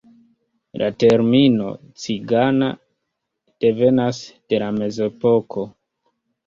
La termino "cigana" devenas de la mezepoko.